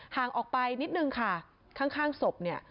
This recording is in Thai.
ห่างออกไปนิดนึงค่ะข้างศพเนี่ย